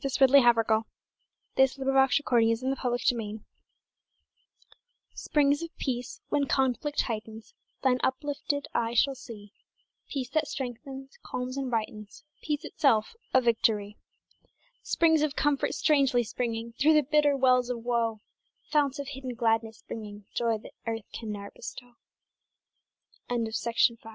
Cecilia Havergal Springs of Peace Springs of peace, when conflict heightens Thine uplifted eye shall see, Peace that strengthens calms, and brightens, Peace itself a victory. Springs of comfort strangely springing Through the bitter wells of woe, Founts of hidden gladness, bringing Joy that earth can ne'er bestow T